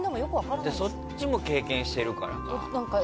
そっちも経験してるからか。